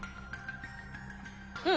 うん。